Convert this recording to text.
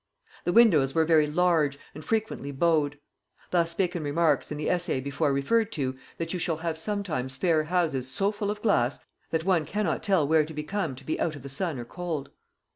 The windows were very large, and frequently bowed: thus Bacon remarks, in the Essay before referred to, that 'you shall have sometimes fair houses so full of glass that one cannot tell where to become to be out of the sun or cold.'